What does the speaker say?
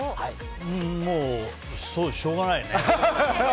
もう、しょうがないよね。